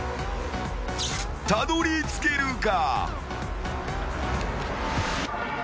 たどり着けるか？